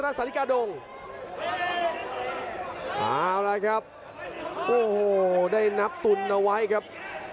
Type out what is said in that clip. นาซาริก่าดงกงงงมัดซ้ายครับ